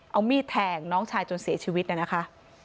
เอามีดแทงน้องชายจนเสียชีวิตนะคะ